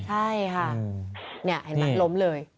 ใช่ค่ะนี่เห็นไหมล้มเลย